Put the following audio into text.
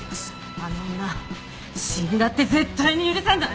あの女死んだって絶対に許さない！